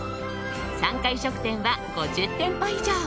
参加飲食店は５０店舗以上。